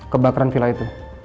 kebakaran vila itu